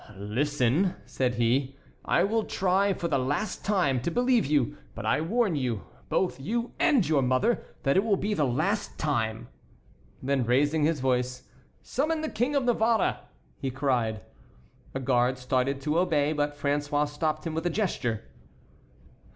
"Listen," said he, "I will try for the last time to believe you; but I warn you, both you and your mother, that it will be the last time." Then raising his voice: "Summon the King of Navarre!" he cried. A guard started to obey, but François stopped him with a gesture.